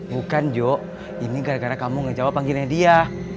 bukan jo ini gara gara kamu gak jawab panggilnya dia